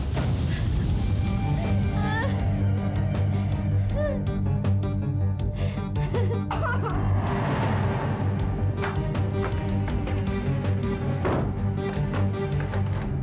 diam kamu dia diam